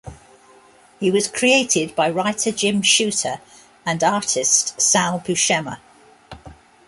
He was created by writer Jim Shooter and artist Sal Buscema.